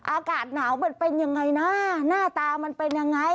อากาศหนาวมันเป็นยังไงนะหน้าตามันเป็นยังไง